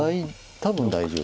多分大丈夫。